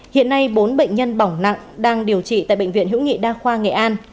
hiện nay bốn bệnh nhân bỏng nặng đang điều trị tại bệnh viện hữu nghị đa khoa nghệ an